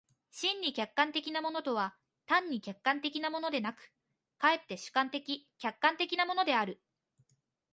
真に客観的なものとは単に客観的なものでなく、却って主観的・客観的なものである。